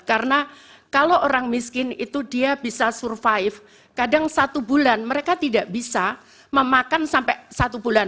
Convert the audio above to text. karena kalau orang miskin itu dia bisa survive kadang satu bulan mereka tidak bisa memakan sampai satu bulan